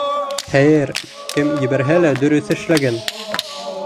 Хәйер, кем ебәрһә лә дөрөҫ эшләгән!